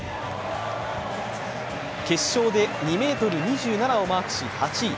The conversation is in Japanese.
決勝で２ｍ２７をマークし８位。